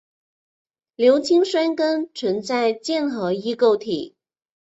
硫氰酸根存在键合异构体。